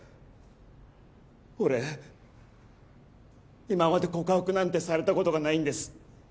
俺今まで告白なんてされたことがないんです。